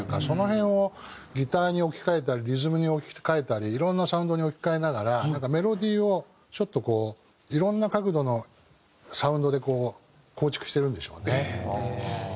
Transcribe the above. その辺をギターに置き換えたりリズムに置き換えたりいろんなサウンドに置き換えながらメロディーをちょっとこういろんな角度のサウンドでこう構築してるんでしょうね。